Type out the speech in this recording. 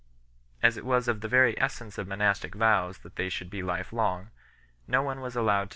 As it was of the very essence of monastic vows that they should be lifelong, no one was allowed to take 1 B.